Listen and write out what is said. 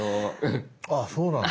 あっそうなんだ。